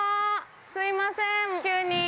すみません、急に。